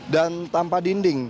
dan tanpa dinding